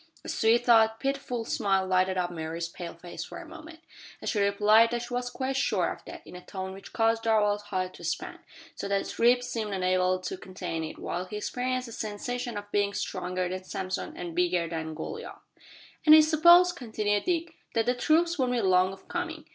A sweet though pitiful smile lighted up Mary's pale face for a moment, as she replied that she was quite sure of that, in a tone which caused Darvall's heart to expand, so that his ribs seemed unable to contain it, while he experienced a sensation of being stronger than Samson and bigger than Goliath! "And I suppose," continued Dick, "that the troops won't be long of coming.